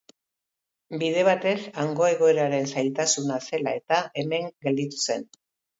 Bide batez, hango egoeraren zailtasuna zela eta, hemen gelditu zen.